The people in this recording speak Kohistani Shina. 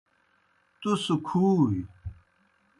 تُس کُھوئی۔